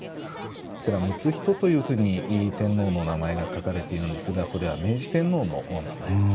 こちら睦仁というふうに天皇の名前が書かれているんですがこれは明治天皇のお名前。